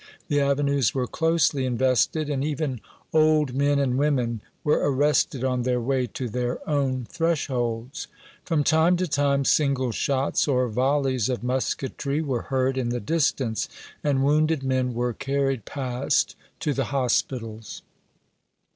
The avenues were closely invested, and even old men and women were arrested on their way to their own thresholds. From time to time single shots or volleys of musketry were heard in the distance, and wounded men were carried past to the hospitals.